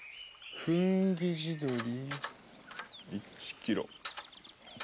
フンギ地鶏１キロ。